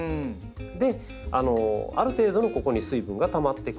である程度のここに水分がたまってくれると。